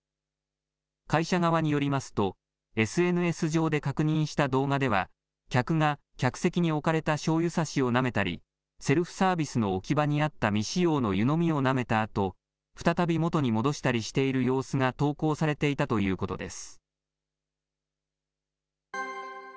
会社側によりますと、ＳＮＳ上で確認した動画では、客が、客席に置かれたしょうゆさしをなめたり、セルフサービスの置き場にあった未使用の湯飲みをなめたあと、再び元に戻したりしている様子が投稿されていたということです。